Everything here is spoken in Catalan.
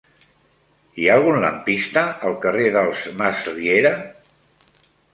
Hi ha algun lampista al carrer dels Masriera?